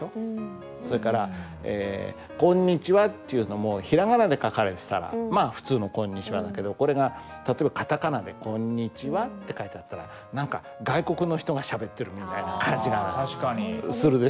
それからえ「こんにちは」っていうのもひらがなで書かれてたらまあ普通の「こんにちは」だけどこれが例えばカタカナで「コンニチハ」って書いてあったら何か外国の人がしゃべってるみたいな感じがするでしょう？